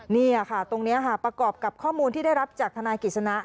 นี่ค่ะตรงนี้ค่ะประกอบกับข้อมูลที่ได้รับจากทนายกิจสนะ